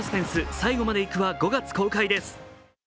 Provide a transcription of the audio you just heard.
「最後まで行く」は５月公開です。